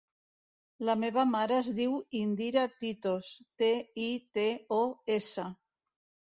La meva mare es diu Indira Titos: te, i, te, o, essa.